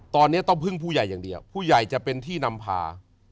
ตอนนี้ต้องพึ่งผู้ใหญ่อย่างเดียวผู้ใหญ่จะเป็นที่นำพา